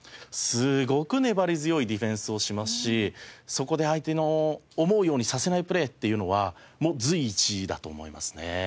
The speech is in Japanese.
すごく粘り強いディフェンスをしますしそこで相手の思うようにさせないプレーっていうのはもう随一だと思いますね。